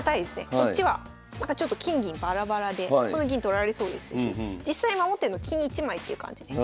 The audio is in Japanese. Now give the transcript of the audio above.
こっちは金銀バラバラでこの銀取られそうですし実際守ってんの金１枚っていう感じです。